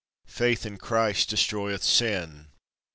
Faith in Christ destroyeth sin.